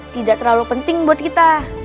tidak terlalu penting buat kita